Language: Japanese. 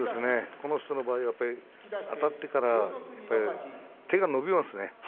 この人の場合、あたってから手が伸びますね。